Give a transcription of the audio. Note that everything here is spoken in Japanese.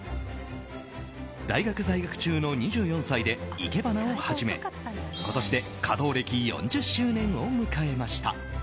大学在学中の２４歳で生け花を始め今年で華道歴４０周年を迎えました。